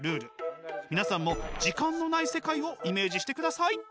皆さんも「時間のない世界」をイメージしてください！